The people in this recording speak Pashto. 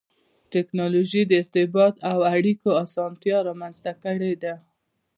ټکنالوجي د ارتباط او اړیکو اسانتیا رامنځته کړې ده.